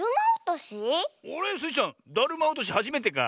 スイちゃんだるまおとしはじめてか？